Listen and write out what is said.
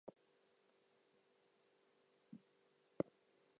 He never took formal musical lessons.